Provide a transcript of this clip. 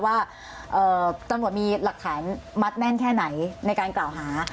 ว่าตำรวจมีหลักฐานมัดแน่นแค่ไหนในการกล่าวหา